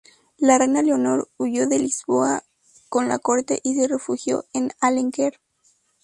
La reina Leonor huyó de Lisboa con la corte y se refugió en Alenquer.